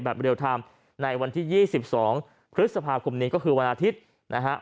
เรียลไทม์ในวันที่๒๒พฤษภาคมนี้ก็คือวันอาทิตย์นะฮะ